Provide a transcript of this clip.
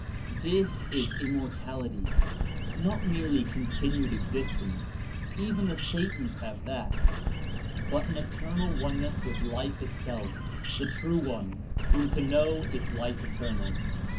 This is immortality — not merely continued exist ence (even the satans have that), but an eternal one ness with Life itself, the True One, "whom to know is life eternal."